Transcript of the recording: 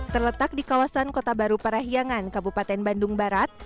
terletak di kawasan kota baru parahyangan kabupaten bandung barat